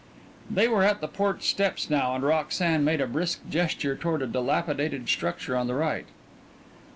They were at the porch steps now and Roxanne made a brisk gesture toward a dilapidated structure on the right.